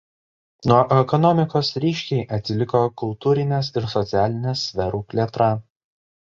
Nuo ekonomikos ryškiai atsiliko kultūrinės ir socialinės sferų plėtra.